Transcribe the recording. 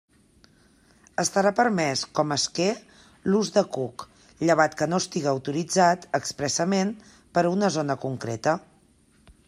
Estarà permés com a esquer l'ús de cuc, llevat que no estiga autoritzat expressament per a una zona concreta.